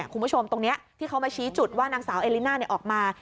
คุณผู้ชมตรงนี้ที่เขามาชี้จุดว่านางสาวเอลิน่าออกมา